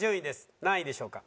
何位でしょうか？